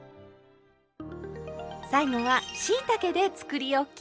最後はしいたけでつくりおき。